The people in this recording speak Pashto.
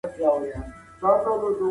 سياسي قدرت د زور له لاري وکارول سو.